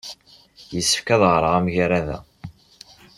Yessefk ad ɣreɣ amagrad-a.